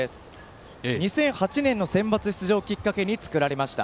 ２００８年のセンバツ出場をきっかけに作られました。